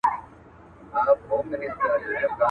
لویه خدایه را آباد مو وران ویجاړ افغانستان کې.